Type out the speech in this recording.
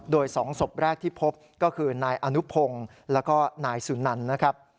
โดย๒ศพแรกที่พบก็คือนายอนุพงศ์แล้วก็นายสุนันนะครับ